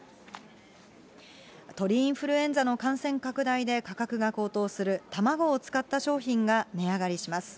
鳥インフルエンザの感染拡大で価格が高騰する卵を使った商品が値上がりします。